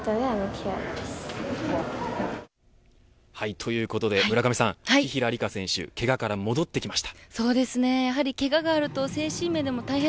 ということで村上さん紀平梨花選手けがから戻ってきました。